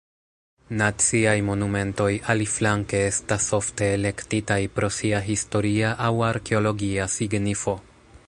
Naciaj Monumentoj, aliflanke, estas ofte elektitaj pro sia historia aŭ arkeologia signifo.